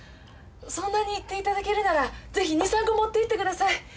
そんなに言っていただけるならぜひ２３個持っていってください。